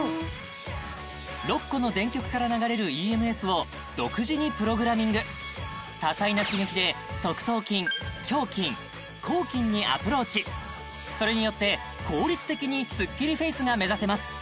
６個の電極から流れるＥＭＳを独自にプログラミング多彩な刺激で側頭筋頬筋咬筋にアプローチそれによって効率的にスッキリフェイスが目指せます